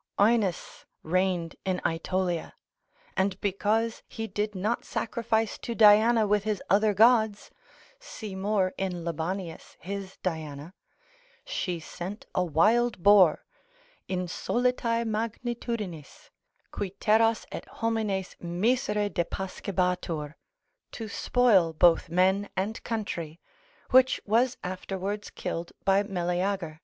Oeneus reigned in Aetolia, and because he did not sacrifice to Diana with his other gods (see more in Labanius his Diana), she sent a wild boar, insolitae magnitudinis, qui terras et homines misere depascebatur, to spoil both men and country, which was afterwards killed by Meleager.